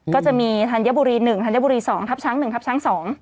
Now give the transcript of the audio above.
ก็จะมีธันยบุรี๑ธันยบุรี๒ทับชั้น๑ทับชั้น๒